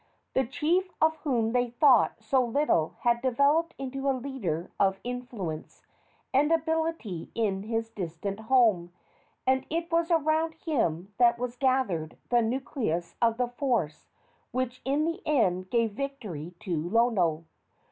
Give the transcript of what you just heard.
The chief of whom they thought so little had developed into a leader of influence and ability in his distant home, and it was around him that was gathered the nucleus of the force which in the end gave victory to Lono.